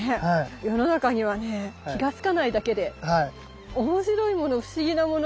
世の中にはね気が付かないだけでおもしろいもの不思議なもの